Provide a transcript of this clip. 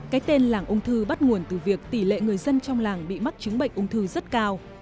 cái tên làng ung thư bắt nguồn từ việc tỷ lệ người dân trong làng bị mắc chứng bệnh ung thư rất cao